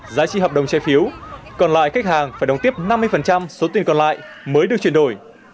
giá trị hợp đồng trái phiếu còn lại khách hàng phải đóng tiếp năm mươi số tiền còn lại mới được chuyển đổi